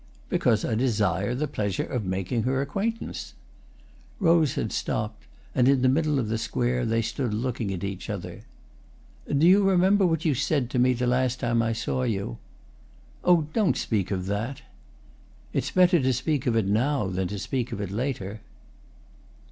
"Because I desire the pleasure of making her acquaintance." Rose had stopped, and in the middle of the square they stood looking at each other. "Do you remember what you said to me the last time I saw you?" "Oh, don't speak of that!" "It's better to speak of it now than to speak of it later."